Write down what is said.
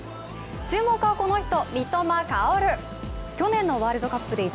注目はこの人、三笘薫。